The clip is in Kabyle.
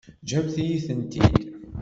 Ǧǧemt-iyi-tent-id.